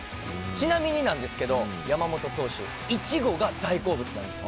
ちなみになんですけど、山本投手、いちごが大好物なんです。